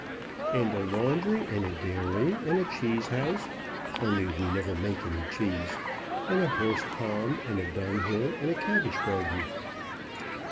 "And a laundry, and a dairy, and a cheese house, only we never make any cheese; and a horse pond, and a dung hill, and a cabbage garden."